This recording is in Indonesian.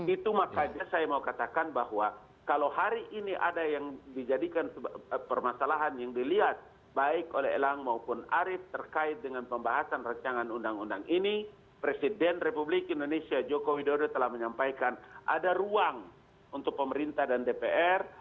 itu makanya saya mau katakan bahwa kalau hari ini ada yang dijadikan permasalahan yang dilihat baik oleh elang maupun arief terkait dengan pembahasan recangan undang undang ini presiden republik indonesia joko widodo telah menyampaikan ada ruang untuk pemerintah dan dpr